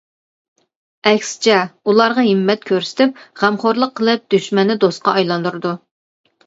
ئەكسىچە ئۇلارغا ھىممەت كۆرسىتىپ، غەمخورلۇق قىلىپ دۈشمەننى دوستقا ئايلاندۇرىدۇ.